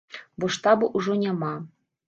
Бо штаба ўжо няма.